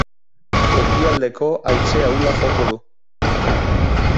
Ekialdeko haize ahula joko du.